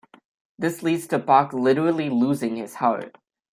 This leads to Boq literally losing his heart.